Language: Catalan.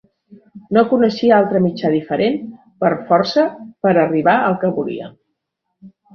No coneixia altre mitjà diferent per força per a arribar al que volia.